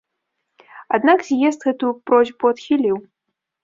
Аднак з'езд гэтую просьбу адхіліў.